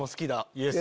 イエス！